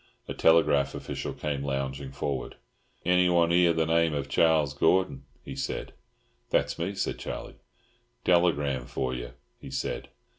A telegraph official came lounging forward. "Anyone here the name of Charles Gordon?" he said. "That's me," said Charlie. "Telegram for you," he said.